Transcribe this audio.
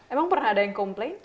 emang pernah ada yang komplain